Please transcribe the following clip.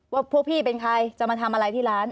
พวกพี่เป็นใครจะมาทำอะไรที่ร้าน